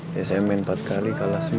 biasanya main empat kali kalah sembilan